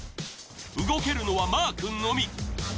動けるのはマー君のみ。